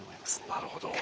なるほど。